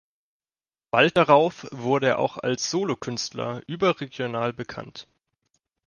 Bald darauf wurde er auch als Solokünstler überregional bekannt.